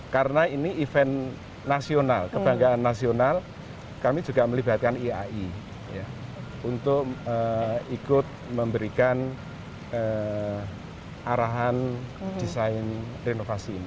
karena ini event nasional kebanggaan nasional kami juga melibatkan iai ya untuk ikut memberikan arahan desain renovasi ini